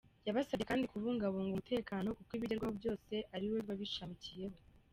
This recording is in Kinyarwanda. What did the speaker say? Yabasabye kandi kubungabunga umutekano kuko ibigerwaho byose ariwo biba bishamikiyeho.